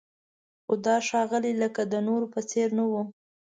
خو دا ښاغلی لکه د نورو په څېر نه و.